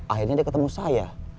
akhirnya dia ketemu saya